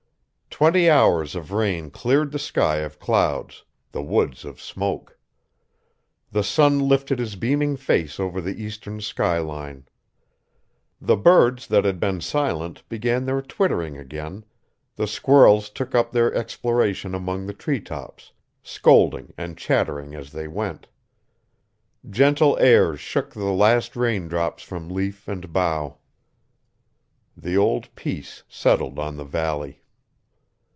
Twenty hours of rain cleared the sky of clouds, the woods of smoke. The sun lifted his beaming face over the eastern sky line. The birds that had been silent began their twittering again, the squirrels took up their exploration among the tree tops, scolding and chattering as they went. Gentle airs shook the last rain drops from leaf and bough. The old peace settled on the valley.